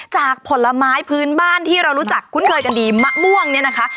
ผลไม้พื้นบ้านที่เรารู้จักคุ้นเคยกันดีมะม่วงเนี่ยนะคะ